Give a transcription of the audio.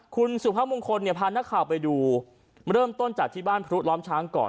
คุณสุภาพมงคลเนี่ยพานักข่าวไปดูเริ่มต้นจากที่บ้านพลุล้อมช้างก่อน